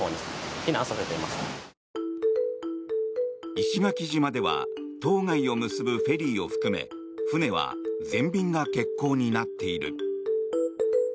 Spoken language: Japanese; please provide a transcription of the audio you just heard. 石垣島では島外を結ぶフェリーを含め船は全便が欠航になっている。